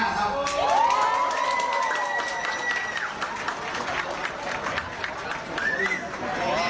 เรารู้ข้อตกลงอยู่ที่๖๓๕